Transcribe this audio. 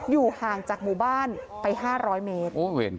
อยู่ห่างจากหมู่บ้านไป๕๐๐เมตร